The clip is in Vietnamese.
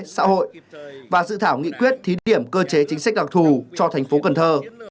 xã hội và dự thảo nghị quyết thí điểm cơ chế chính sách đặc thù cho thành phố cần thơ